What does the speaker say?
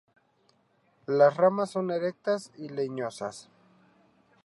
Las ramas son erectas y leñosas.